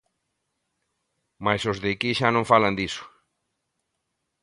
Mais os de aquí xa non falan diso.